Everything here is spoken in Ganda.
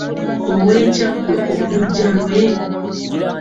Ow’e Kyaggwe Oluggya lwe?